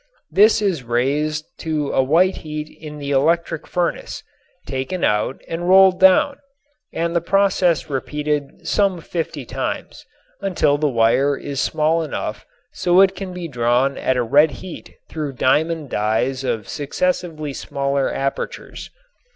This is raised to a white heat in the electric furnace, taken out and rolled down, and the process repeated some fifty times, until the wire is small enough so it can be drawn at a red heat through diamond dies of successively smaller apertures.